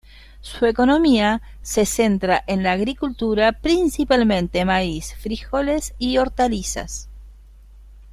Su economía se centra en la agricultura principalmente maíz, frijoles y hortalizas.